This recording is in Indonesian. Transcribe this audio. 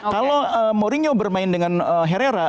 kalau mourinho bermain dengan herrera